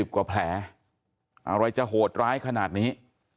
กว่าแผลอะไรจะโหดร้ายขนาดนี้